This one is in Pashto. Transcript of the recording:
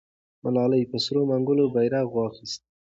ملالۍ په سرو منګولو بیرغ واخیست.